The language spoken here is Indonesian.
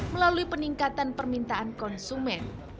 melalui peningkatan permintaan konsumen